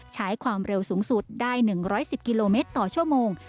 ใช้ความเร็วสูงสุดได้๑๑๐กิโลเมตรต่อชั่วโมง